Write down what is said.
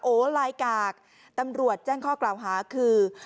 ลายกากตำรวจแจ้งข้อกล่าวหาคือ